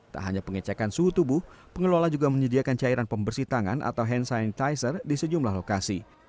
tak hanya pengecekan suhu tubuh pengelola juga menyediakan cairan pembersih tangan atau hand sanitizer di sejumlah lokasi